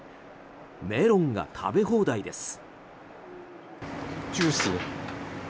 メロンが食べ放題です。